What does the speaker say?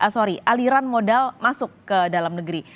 sorry aliran modal masuk ke dalam negeri